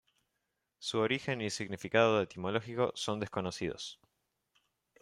Su origen y significado etimológico son desconocidos.